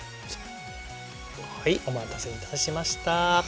はいお待たせいたしました。